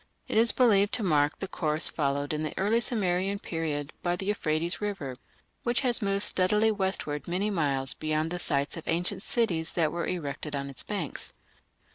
It is believed to mark the course followed in the early Sumerian period by the Euphrates river, which has moved steadily westward many miles beyond the sites of ancient cities that were erected on its banks.